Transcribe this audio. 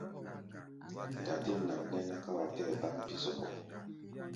Dadên nʼam nɛ́ ná ká wa tɛɛ́ baʼm pí̧ zɔɓɔ.